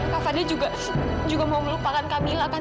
kak fadil juga juga mau melupakan kak mila kan